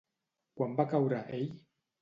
Quan va caure ell?